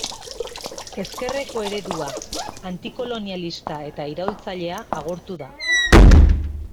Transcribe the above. Ezkerreko eredua, antikolonialista eta iraultzailea agortu da.